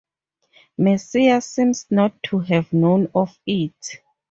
Messier seems not to have known of it.